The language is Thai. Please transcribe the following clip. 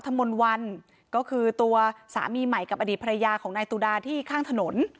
ถมอนวันก็คือตัวสามีใหม่กับอดีตภรรยาค่างถนน